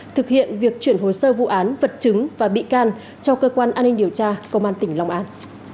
thực hiện việc chuyển hồ sơ vụ án vật chứng và bị can cho cơ quan an ninh điều tra công an tỉnh long an